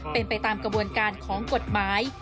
เป็นไปตามกระบวนการของกฎหมาย